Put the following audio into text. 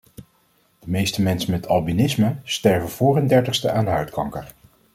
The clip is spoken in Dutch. De meeste mensen met albinisme sterven voor hun dertigste aan huidkanker.